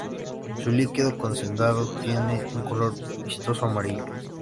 Su líquido condensado tiene un color vistoso amarillo.